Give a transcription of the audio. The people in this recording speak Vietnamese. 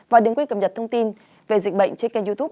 và đừng quên cập nhật thông tin về dịch bệnh trên kênh youtube